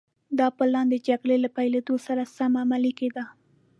دا پلان د جګړې له پيلېدو سره سم عملي کېده.